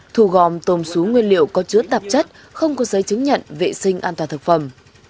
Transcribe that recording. thu gom tôm sú nguyên liệu có chứa tạp chất không có giấy chứng nhận vệ sinh an toàn thực phẩm